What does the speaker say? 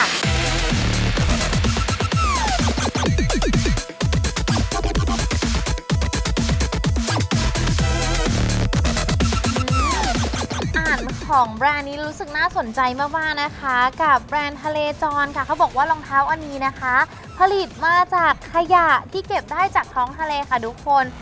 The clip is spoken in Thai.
ของแบรนด์นี้รู้สึกน่าสนใจมากนะคะกับแบรนด์ทะเลจรค่ะเขาบอกว่ารองเท้าอันนี้นะคะผลิตมาจากขยะที่เก็บได้จากท้องทะเลค่ะทุกคน